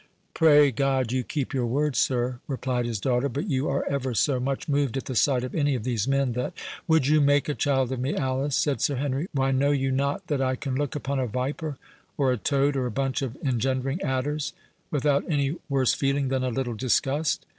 "Pray God you keep your word, sir!" replied his daughter; "but you are ever so much moved at the sight of any of these men, that"— "Would you make a child of me, Alice?" said Sir Henry. "Why, know you not that I can look upon a viper, or a toad, or a bunch of engendering adders, without any worse feeling than a little disgust?